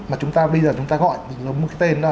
mà chúng ta bây giờ chúng ta gọi là một cái tên